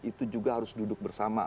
itu juga harus duduk bersama